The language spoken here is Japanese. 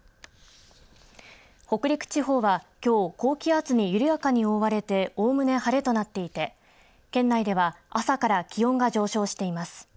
北陸地方はきょう高気圧に緩やかに覆われておおむね晴れとなっていて県内では朝から気温が上昇しています。